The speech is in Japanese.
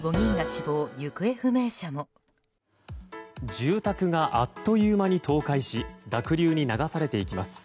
住宅があっという間に倒壊し濁流に流されていきます。